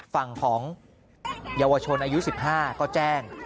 ฝั่งของเยาวชนอายุ๑๕ก็แจ้ง